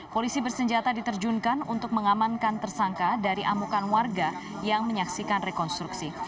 polisi bersenjata diterjunkan untuk mengamankan tersangka dari amukan warga yang menyaksikan rekonstruksi